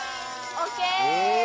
ＯＫ！